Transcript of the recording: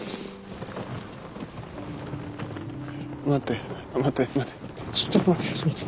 待って待って待ってちょっと待ってちょっと待って。